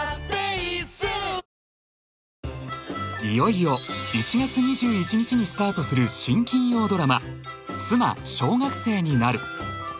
いよいよ１月２１日にスタートする新金曜ドラマ「妻、小学生になる。」